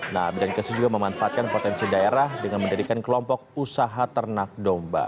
nah badan kesu juga memanfaatkan potensi daerah dengan mendirikan kelompok usaha ternak domba